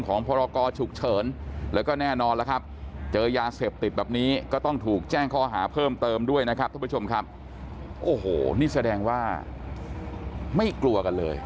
โอ้โหนี่แสดงว่าไม่กลวกันเลย